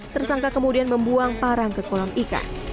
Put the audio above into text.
tersangka kemudian membuang parang ke kolam ikan